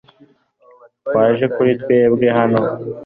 Waje kuri twe bwe hano